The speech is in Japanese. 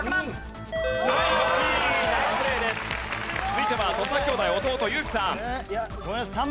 続いては土佐兄弟弟有輝さん。